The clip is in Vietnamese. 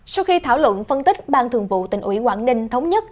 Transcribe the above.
sau khi thảo luận phân tích ban thường vụ tỉnh ủy quảng ninh thống nhất